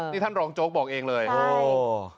นี่ท่านรองโจ๊กบอกเองเลยโอ้